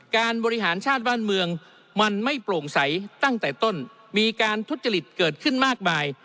การบริหารชาติบ้านเมืองมันไม่โปร่งใสตั้งแต่ต้นมีการทุจริตเกิดขึ้นมากมาย